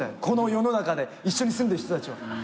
この世の中で一緒に住んでる人たちは。